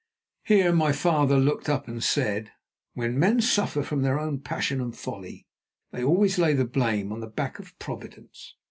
'" Here my father looked up and said: "When men suffer from their own passion and folly, they always lay the blame on the back of Providence."